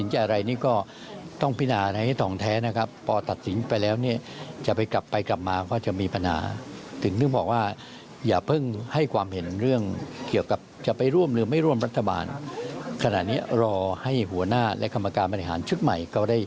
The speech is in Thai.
ให้ถ่องแท้ถัดสินใจ